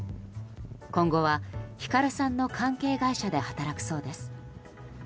今後はヒカルさんの関係会社で働くそうです。